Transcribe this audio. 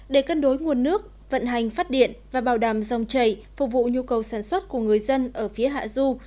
để cân đối nguồn nước vận hành phát điện và bảo đảm dòng chảy phục vụ nhu cầu sản xuất của người dân ở phía hạ du